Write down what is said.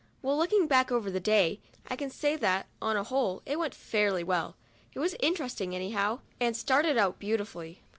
Well, looking back over the day, I can say that, on the whole, it went off fairly well. It was interesting anyhow, and started out beautifully.